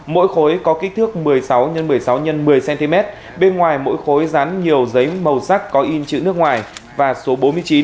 mỗi khối có kích thước một mươi sáu x một mươi sáu x một mươi cm bên ngoài mỗi khối rán nhiều giấy màu sắc có in chữ nước ngoài và số bốn mươi chín